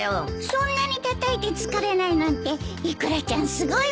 そんなにたたいて疲れないなんてイクラちゃんすごいわね。